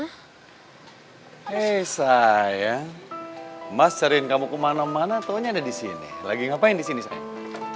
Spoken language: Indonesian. hei saya ya mas cariin kamu kemana mana taunya ada di sini lagi ngapain di sini saya